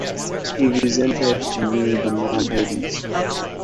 He resented the way the man held it.